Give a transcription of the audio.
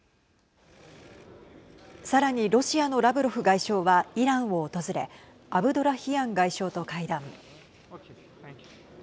さらに、ロシアのラブロフ外相はイランを訪れアブドラヒアン外相と会談。